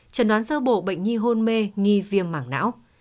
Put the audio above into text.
trần đoán sơ bộ bệnh nhi hôn mê nghi viêm mảng não